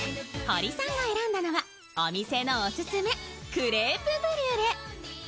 堀さんが選んだのはお店のオススメ、クレープ・ブリュレ。